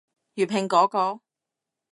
粵拼嗰個？